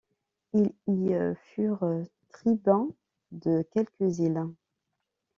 Ils y furent tribuns de quelques îles.